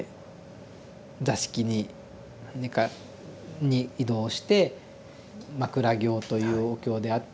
座敷に寝かに移動して枕経というお経であったり